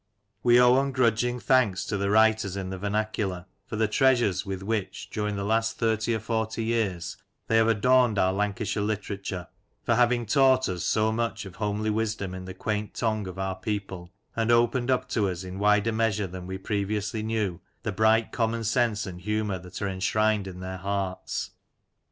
We owe ungrudging thanks to the writers in the vernacular for the treasures with which, during the last thirty or forty years they have adorned our Lancashire literature, for having taught us so much of homely wisdom in the quaint tongue of our people, and opened up to us in wider measure than we previously knew, the bright commonsense and humour Some Lancashire Characters and Incidents, 139 that are enshrined in their hearts.